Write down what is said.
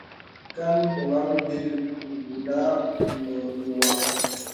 Kàn mpɔnaŋ m̀bìl wunə nà wam.